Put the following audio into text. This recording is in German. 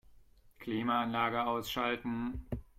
Klimaanlage ausschalten.